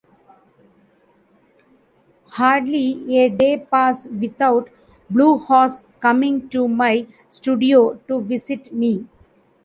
Hardly a day passed without Blue Horse coming to my studio to visit me.